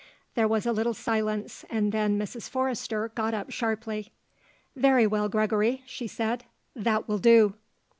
There was a little silence and then Mrs. Forrester got up sharply. "Very well, Gregory," she said. "That will do."